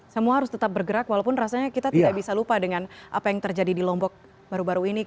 semua harus tetap bergerak walaupun rasanya kita tidak bisa lupa dengan apa yang terjadi di lombok baru baru ini